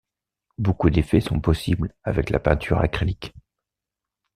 Beaucoup d'effets sont possibles avec la peinture acrylique.